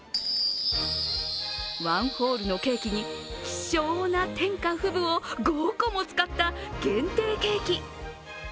１ホールのケーキに希少な天下富舞を５個も使った限定ケーキ。